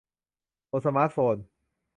บนสมาร์ตโฟน